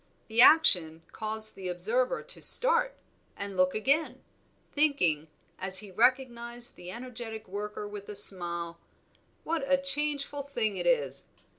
The action caused the observer to start and look again, thinking, as he recognized the energetic worker with a smile, "What a changeful thing it is!